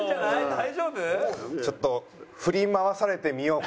大丈夫？